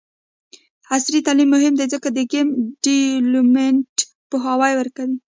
عصري تعلیم مهم دی ځکه چې د ګیم ډیولپمنټ پوهاوی ورکوي.